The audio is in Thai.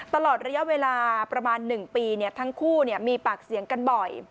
ตลอดระยะเวลาประมาณ๑ปีทั้งคู่มีปากเสียงกันบ่อย